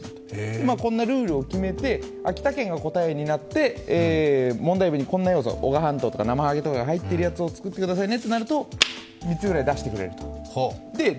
こんなルールを決めて、秋田県が答えになって、問題文にこんな要素、男鹿半島とかなまはげとか入ってるものにしてくださいというと３つぐらい出してくれると。